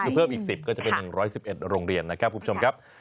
คือเพิ่มอีก๑๐ก็จะเป็น๑๑๑โรงเรียนนะครับคุณผู้ชมครับ